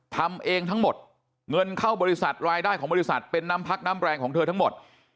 ทำเองทั้งหมดเงินเข้าบริษัทรายได้ของบริษัทเป็นน้ำพักน้ำแรงของเธอทั้งหมด